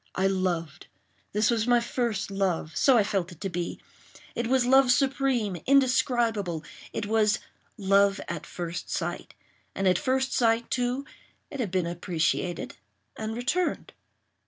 I loved. This was my first love—so I felt it to be. It was love supreme—indescribable. It was "love at first sight;" and at first sight, too, it had been appreciated and returned.